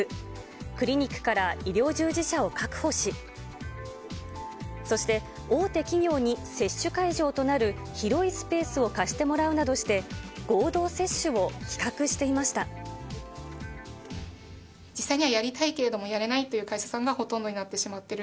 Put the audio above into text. クリニックから医療従事者を確保し、そして大手企業に接種会場となる広いスペースを貸してもらうなどして、実際にはやりたいけれども、やれないという会社さんがほとんどになってしまってる。